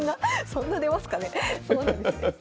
そんな出ますかね。